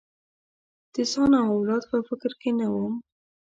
د ځان او اولاد په فکر کې نه وم.